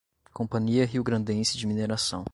Companhia Riograndense de Mineração